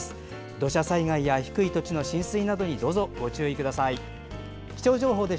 土砂災害や低い土地の浸水などに注意してください。